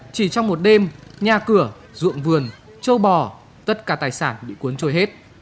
chỉ trong một đêm nhà cửa ruộng vườn châu bò tất cả tài sản bị cuốn trôi hết